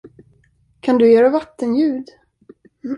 Kan du göra vattenljud?